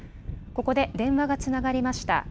ここで電話がつながりました。